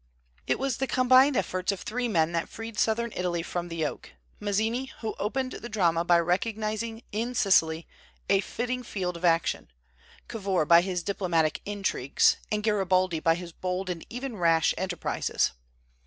It was the combined efforts of three men that freed Southern Italy from the yoke, Mazzini, who opened the drama by recognizing in Sicily a fitting field of action; Cavour, by his diplomatic intrigues; and Garibaldi, by his bold and even rash enterprises.